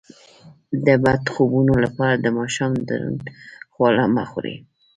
د بد خوبونو لپاره د ماښام دروند خواړه مه خورئ